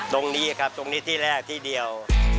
ตรงนี้ครับตรงนี้ที่แรกที่เดียว